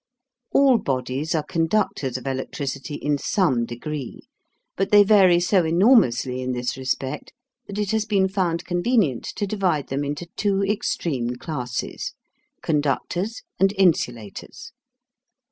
All bodies are conductors of electricity in some degree, but they vary so enormously in this respect that it has been found convenient to divide them into two extreme classes conductors and insulators.